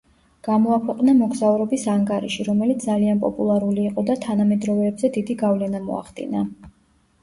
გამოაქვეყნა მოგზაურობის ანგარიში, რომელიც ძალიან პოპულარული იყო და თანამედროვეებზე დიდი გავლენა მოახდინა.